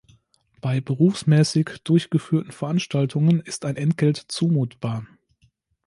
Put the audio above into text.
Bei berufsmäßig durchgeführten Veranstaltungen ist ein Entgelt zumutbar.